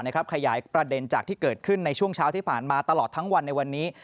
ขยายประเด็นจากที่เกิดขึ้นในช่วงเช้าที่ผ่านมาตลอดทั้งวันในวันนี้